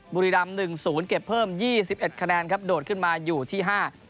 บุรีรำหนึ่งศูนย์เก็บเพิ่มยี่สิบเอ็ดคะแนนครับโดดขึ้นมาอยู่ที่ห้า